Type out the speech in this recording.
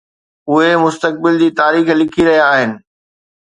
اهي مستقبل جي تاريخ لکي رهيا آهن.